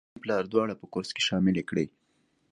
د مینې پلار دواړه په کورس کې شاملې کړې